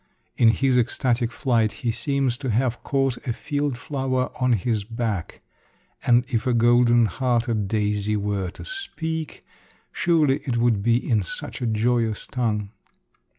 In his ecstatic flight he seems to have caught a field flower on his back; and if a golden hearted daisy were to speak, surely it would be in such a joyous tongue.